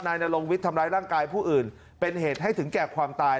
นายนรงวิทย์ทำร้ายร่างกายผู้อื่นเป็นเหตุให้ถึงแก่ความตาย